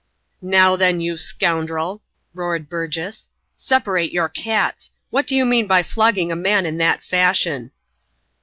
"Now then, you scoundrel!" roared Burgess; "separate your cats! What do you mean by flogging a man that fashion?"